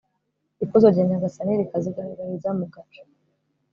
ikuzo rya nyagasani rikazigaragariza mu gacu